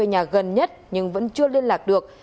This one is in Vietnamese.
cơ quan chức năng đã thuê nhà gần nhất nhưng vẫn chưa liên lạc được